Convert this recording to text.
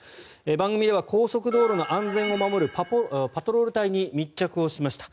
番組では高速道路の安全を守るパトロール隊に密着しました。